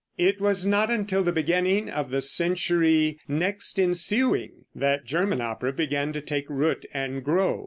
It was not until the beginning of the century next ensuing, that German opera began to take root and grow.